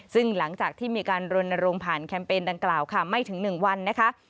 ซึ่งหลังจากที่มีการรณรงค์ผ่านแคมเปญดังกล่าวค่ะไม่ถึง๑วันนะคะ